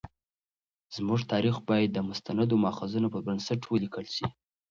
زموږ تاریخ باید د مستندو مأخذونو پر بنسټ ولیکل شي.